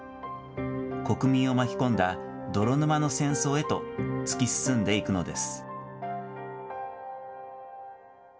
国民を巻き込んだ泥沼の戦争へと突き進んでいくのです。